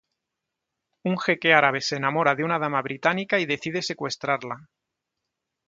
Un jeque árabe se enamora de una dama británica y decide secuestrarla.